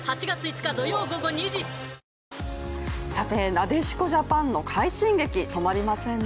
なでしこジャパンの快進撃止まりませんね。